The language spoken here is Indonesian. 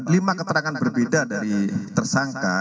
lima keterangan berbeda dari tersangka